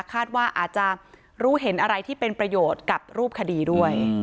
คาดว่าอาจจะรู้เห็นอะไรที่เป็นประโยชน์กับรูปคดีด้วย